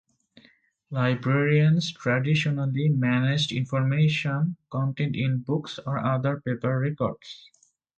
Librarians traditionally managed information contained in books or other paper records.